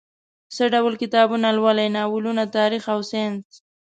څه ډول کتابونه لولئ؟ ناولونه، تاریخ او ساینس